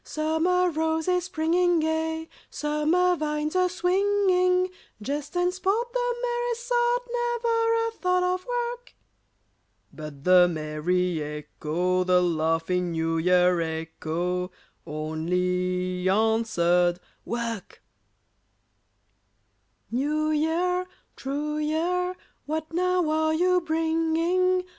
Summer roses springing gay, Summer vines a swinging? Jest and sport, the merriest sort, Never a thought of work?" But the merry echo, The laughing New Year echo, Only answered, "Work!" "New year, true year, What now are you bringing?